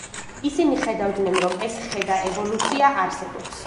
ისინი ხედავდნენ, რომ ეს ხე და ევოლუცია არსებობს.